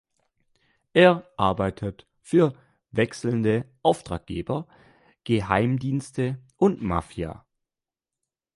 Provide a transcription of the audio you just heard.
Er arbeitet für wechselnde Auftraggeber, Geheimdienste und Mafia.